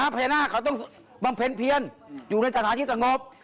พญานาคเขาต้องบำเพ็ญเพียนอยู่ในสถานที่สงบ